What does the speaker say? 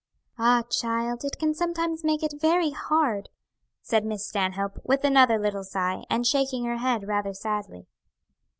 "Ah, child, it can sometimes make it very hard," said Miss Stanhope, with another little sigh, and shaking her head rather sadly.